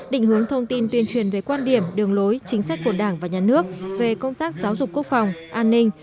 định hướng thông tin tuyên truyền về quan điểm đường lối chính sách của đảng và nhà nước về công tác giáo dục quốc phòng an ninh